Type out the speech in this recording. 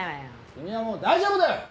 君はもう大丈夫だよ。